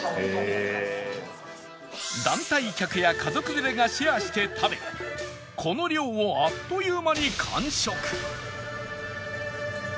団体客や家族連れがシェアして食べこの量をあっという間に完食